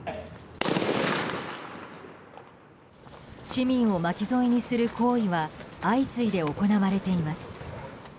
市民を巻き添えにする行為は相次いで行われています。